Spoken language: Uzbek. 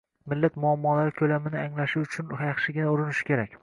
millat muammolari ko‘lamini anglashi uchun yaxshigina urinishi kerak.